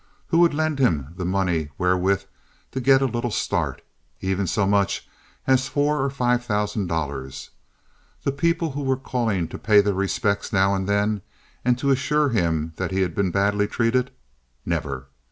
Who would lend him the money wherewith to get a little start, even so much as four or five thousand dollars? The people who were calling to pay their respects now and then, and to assure him that he had been badly treated? Never.